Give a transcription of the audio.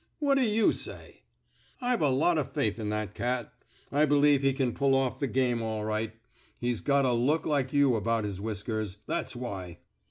What d' you say? I've a lot o' faith in that cat. I be lieve he can pull off the game all right. He's got a look like you about his whiskers; that's why."